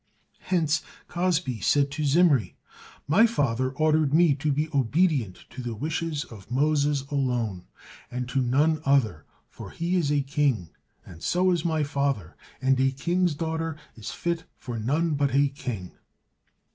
Hence Cozbi said to Zimri: "My father ordered me to be obedient to the wishes of Moses alone, and to none other; for he is a king, and so is my father, and a king's daughter is fit for none but a king."